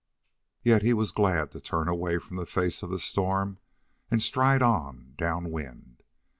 Yet he was glad to turn away from the face of the storm and stride on down wind.